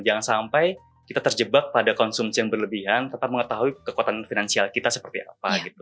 jangan sampai kita terjebak pada konsumsi yang berlebihan tetap mengetahui kekuatan finansial kita seperti apa gitu